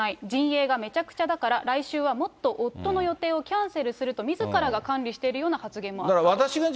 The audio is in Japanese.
陣営がめちゃくちゃだから、来週はもっと夫の予定をキャンセルすると、みずからが管理しているような発言もあったんです。